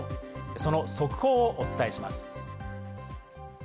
その速報をお伝えします。